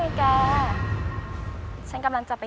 วิ่งตามกลับมา